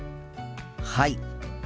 はい！